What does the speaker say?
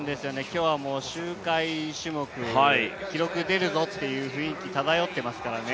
周回種目、記録出るぞっていう雰囲気が漂っていますからね。